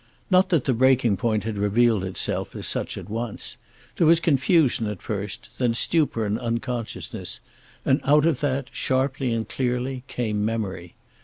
Not that the breaking point had revealed itself as such at once. There was confusion first, then stupor and unconsciousness, and out of that, sharply and clearly, came memory.